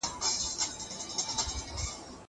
ورته هېښ به هر كوچنى وو